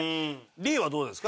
Ｄはどうですか？